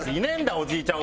おじいちゃん